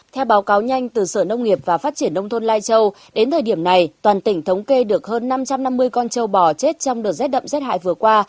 theo báo cáo nhanh từ sở nông nghiệp và phát triển nông thôn lai châu đến thời điểm này toàn tỉnh thống kê được hơn năm trăm năm mươi con châu bò chết trong đợt rét đậm rét hại vừa qua